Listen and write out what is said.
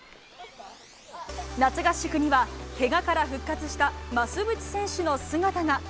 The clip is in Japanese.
夏合宿にはけがから復活した増渕選手の姿が。